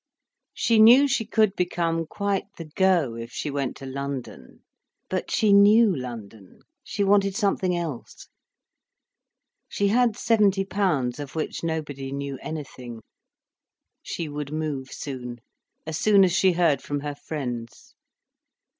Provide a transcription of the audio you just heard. She knew she could become quite the "go' if she went to London. But she knew London, she wanted something else. She had seventy pounds, of which nobody knew anything. She would move soon, as soon as she heard from her friends.